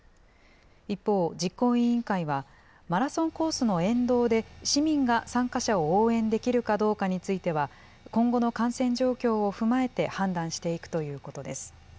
一方、実行委員会はマラソンコースの沿道で市民が参加者を応援できるかどうかについては、今後の感染状況を踏まえて判断していくということです。